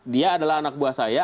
dia adalah anak buah saya